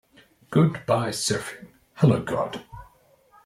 Goodbye Surfing, Hello God!